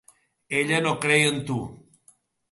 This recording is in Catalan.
Ella no creia en tu.